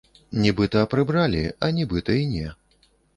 Нібыта прыбралі, а нібыта і не.